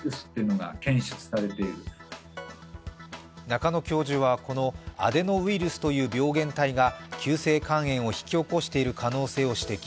中野教授は、このアデノウイルスという病原体が急性肝炎を引き起こしている可能性を指摘。